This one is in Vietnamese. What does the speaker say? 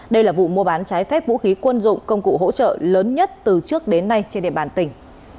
đây là vụ mua bán trái phép vũ khí quân dụng công cụ hỗ trợ lớn nhất từ trước đến nay trên địa bàn tỉnh